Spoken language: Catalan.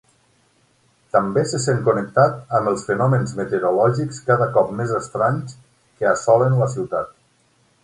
També se sent connectat amb els fenòmens meteorològics cada cop més estranys que assolen la ciutat.